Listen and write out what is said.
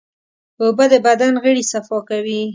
اوبه د بدن غړي صفا کوي.